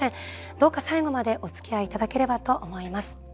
どうか最後までおつきあいいただければと思います。